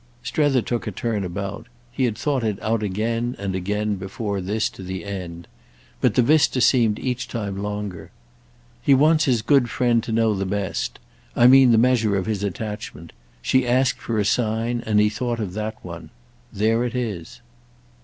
Strether took a turn about; he had thought it out again and again before this, to the end; but the vista seemed each time longer. "He wants his good friend to know the best. I mean the measure of his attachment. She asked for a sign, and he thought of that one. There it is."